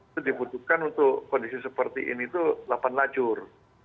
itu dibutuhkan untuk kondisi seperti ini itu delapan lacur